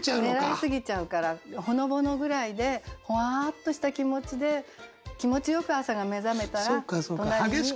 ねらいすぎちゃうから「ほのぼの」ぐらいでほわっとした気持ちで気持ちよく朝目覚めたら隣に。